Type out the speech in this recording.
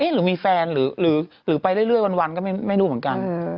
หรือมีแฟนหรือไปเรื่อยวันก็ไม่รู้เหมือนกัน